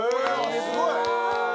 すごい！